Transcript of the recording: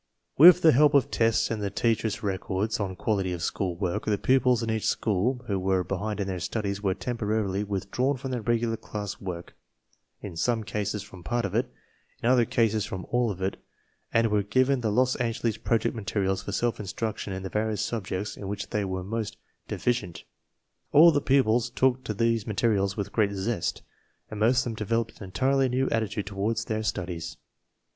With the help of tests and the teachers' records on quality of school work, the pupils in each school who were behind in their studies were temporarily with drawn from their regular class work, in some cases from part of it, in other cases from all of it, and were given the Los Angeles project materials for self instruction in the various subjects in which they were most defi INSTRUCTION IN ADJUSTMENT ROOMS 71 cient. All the pupils took to these materials with great zest, and most of them developed an entirely new atti tude toward their studies.